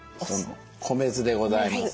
米酢でございます。